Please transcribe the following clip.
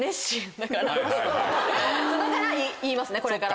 だから言いますねこれから。